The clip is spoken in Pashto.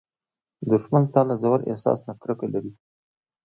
دښمن ستا له ژور احساس نه کرکه لري